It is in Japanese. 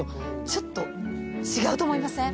ちょっと違うと思いません？